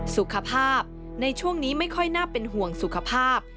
สุขภาพในช่วงนี้ไม่ค่อยน่าเป็นห่วงสุขภาพ